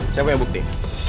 saya punya bukti